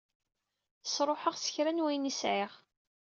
Sṛuḥeɣ s kra n wayen i sɛiɣ.